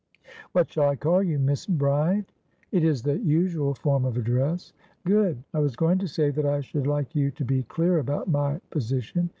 "What shall I call you? Miss Bride?" "It is the usual form of address." "Good. I was going to say that I should like you to be clear about my position.